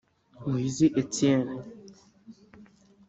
Muhizi Etienne